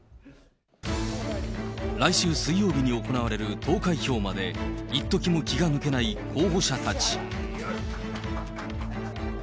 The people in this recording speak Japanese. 来週水曜日に行われる投開票までいっときも気が抜けない候補者たち。